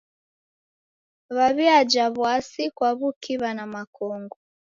W'aw'iaja w'asi kwa w'ukiw'a na makongo.